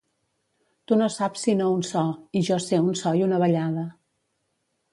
Tu no saps sinó un so i jo sé un so i una ballada.